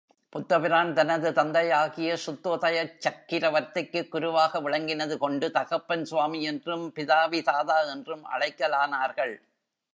புத்தபிரான் தனது தந்தையாகிய சுத்தோதயச் சக்கிரவர்த்திக்குக் குருவாக விளங்கினது கொண்டு தகப்பன் சுவாமி என்றும் பிதாவிதாதா என்றும் அழைக்கலானார்கள்.